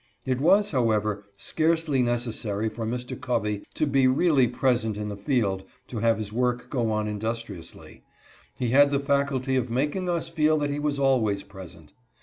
It was, however, scarcely necessary for Mr. Covey to be really present in the field to have his work go on industriously. He had the faculty of making us feel that he was always present.